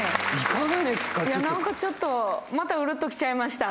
何かちょっとまたうるっと来ちゃいました。